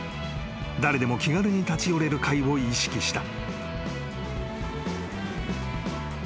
［誰でも気軽に立ち寄れる会を意識した］